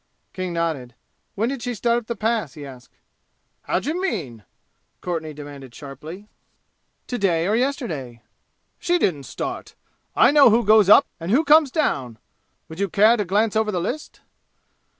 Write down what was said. King nodded. "When did she start up the Pass?" he asked. "How d'ye mean?" Courtenay demanded sharply. "To day or yesterday?" "She didn't start! I know who goes up and who comes down. Would you care to glance over the list?"